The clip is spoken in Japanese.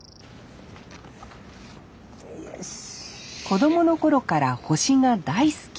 子供の頃から星が大好き。